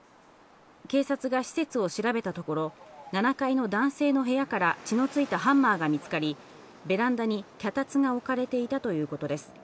警察が施設を調べたところ、７階の男性の部屋から血のついたハンマーが見つかり、ベランダに脚立が置かれていたということです。